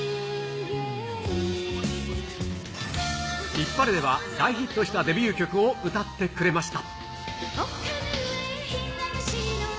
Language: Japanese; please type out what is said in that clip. ヒッパレでは大ヒットしたデビュー曲を歌ってくれました。